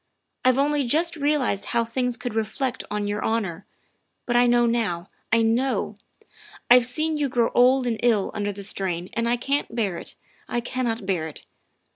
" I've only just realized how things could reflect on your honor but I know now, I know. I've seen you grow old and ill under the strain and I can't bear it I can't bear it.